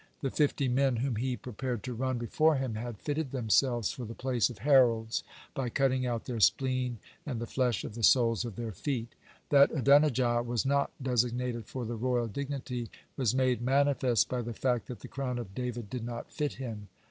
The fifty men whom he prepared to run before him had fitted themselves for the place of heralds by cutting out their spleen and the flesh of the soles of their feet. That Adonijah was not designated for the royal dignity, was made manifest by the fact that the crown of David did not fit him.